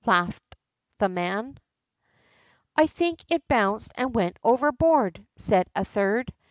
laughed the man. ^ I think it bounced and went overboard,' said a third.